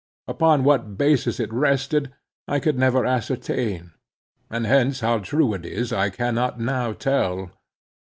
Upon what basis it rested, I could never ascertain; and hence, how true it is I cannot now tell.